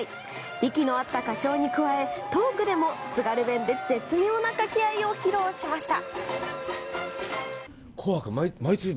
息の合った歌唱に加えトークでも津軽弁で絶妙な掛け合いを披露しました。